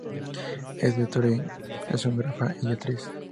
Es directora, escenógrafa y actriz.